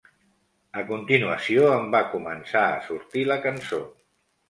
A continuació em va començar a sortir la cançó.